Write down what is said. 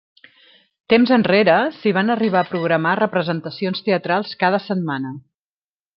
Temps enrere, s'hi van arribar a programar representacions teatrals cada setmana.